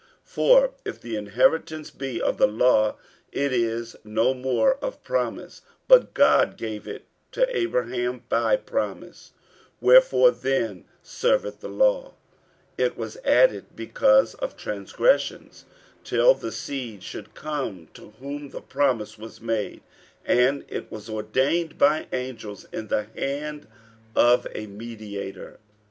48:003:018 For if the inheritance be of the law, it is no more of promise: but God gave it to Abraham by promise. 48:003:019 Wherefore then serveth the law? It was added because of transgressions, till the seed should come to whom the promise was made; and it was ordained by angels in the hand of a mediator.